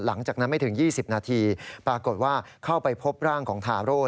หลังจากนั้นไม่ถึง๒๐นาทีปรากฏว่าเข้าไปพบร่างของทาโร่